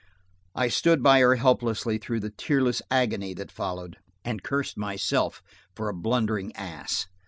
I stood by her helplessly through the tearless agony that followed, and cursed myself for a blundering ass.